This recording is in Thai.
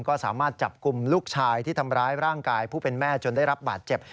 ก็สามารถจับกลุ่มลูกชายที่ทำร้ายร่างกายผู้เป็นแม่จนได้รับบาดเจ็บ